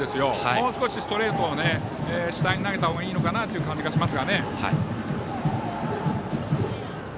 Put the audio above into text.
もう少しストレートを主体に投げたほうがいいのかなという気がします。